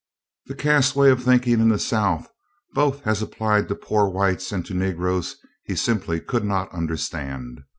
The caste way of thinking in the South, both as applied to poor whites and to Negroes, he simply could not understand.